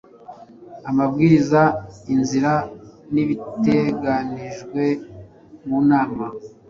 amabwiriza, inzira nibiteganijwemunama